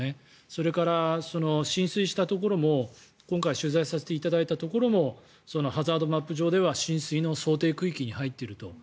それから、浸水したところも今回取材させていただいたところもハザードマップ上では浸水の想定区域に入っていると。